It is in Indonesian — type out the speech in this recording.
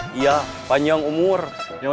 kita harus diberi ke marion